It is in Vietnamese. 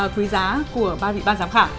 quý giá của ba vị ban giám khảo